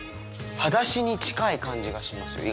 はだしに近い感じがしますよ